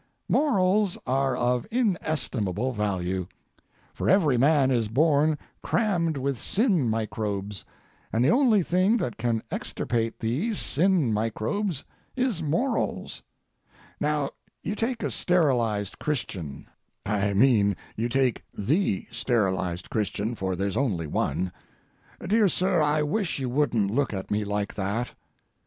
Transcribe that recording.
Morals are of inestimable value, for every man is born crammed with sin microbes, and the only thing that can extirpate these sin microbes is morals. Now you take a sterilized Christian—I mean, you take the sterilized Christian, for there's only one. Dear sir, I wish you wouldn't look at me like that.